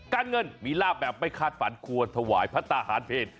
การเงินมีลาบแบบไม่คาดฝันควรถวายพระทหารเพล